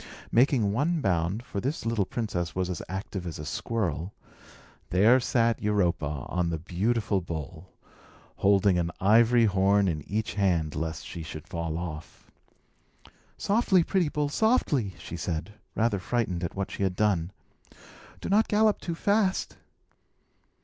Making one bound (for this little princess was as active as a squirrel), there sat Europa on the beautiful bull, holding an ivory horn in each hand, lest she should fall off. "Softly, pretty bull, softly!" she said, rather frightened at what she had done. "Do not gallop too fast."